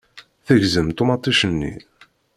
Tegzem ṭumaṭic-nni.